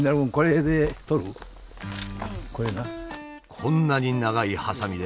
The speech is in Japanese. こんなに長いはさみで？